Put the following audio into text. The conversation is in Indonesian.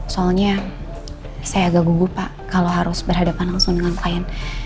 soalnya saya agak gugup pak kalau harus berhadapan langsung dengan klien